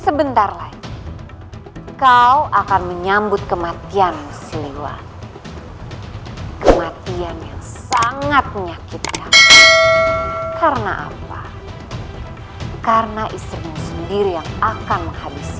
sebentar lagi kau akan menyambut kematian muslimwa kematian yang sangat menyakitkan karena apa karena istrinya sendiri yang akan menghabiskan